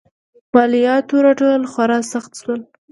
مالیاتو راټولول خورا سخت شول.